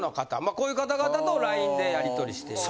こいうい方々とＬＩＮＥでやりとりしてる。